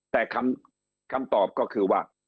แต่คำตอบก็คือว่า